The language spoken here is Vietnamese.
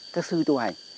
các sư tu hành